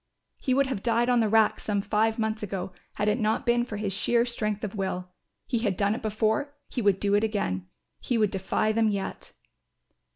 He would have died on the rack some five months ago had it not been for his sheer strength of will. He had done it before, he would do it again; he would defy them yet.